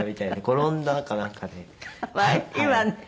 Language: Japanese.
転んだかなんかで。